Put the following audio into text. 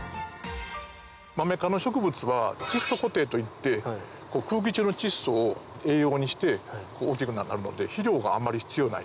マメ科の植物は窒素固定といって空気中の窒素を栄養にして大っきくなりはるので肥料があんまり必要ない。